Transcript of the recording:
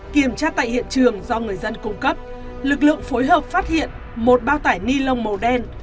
kiểm tra tại hiện trường do người dân cung cấp lực lượng phối hợp phát hiện một bao tải ni lông màu đen